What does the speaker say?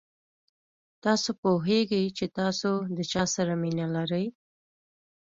تاسو پوهېږئ چې تاسو د چا سره مینه لرئ.